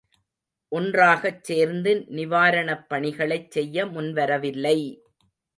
ஒன்றாகச் சேர்ந்து நிவாரணப் பணிகளைச் செய்ய முன்வரவில்லை!